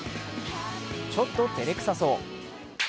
ちょっとてれくさそう。